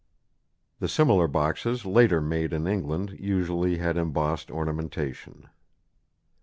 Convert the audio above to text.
The similar boxes later made in England usually had embossed ornamentation.